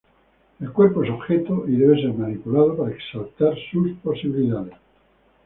El cuerpo es objeto y debe ser manipulado para exaltar sus posibilidades.